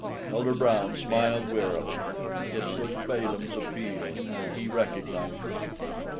Elder Brown smiled wearily: it was Balaam's appeal, and he recognized it.